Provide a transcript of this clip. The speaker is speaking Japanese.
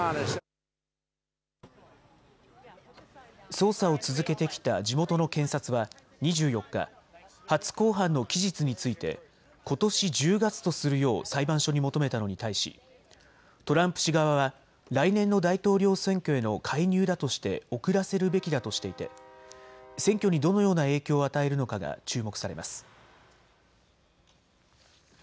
捜査を続けてきた地元の検察は２４日、初公判の期日についてことし１０月とするよう裁判所に求めたのに対しトランプ氏側は来年の大統領選挙への介入だとして遅らせるべきだとしていて選挙にどのような影響を与えるのかが注目されます。